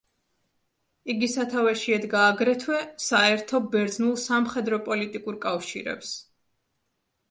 იგი სათავეში ედგა აგრეთვე საერთო ბერძნულ სამხედრო-პოლიტიკურ კავშირებს.